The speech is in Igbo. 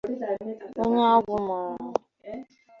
onye agwụ mara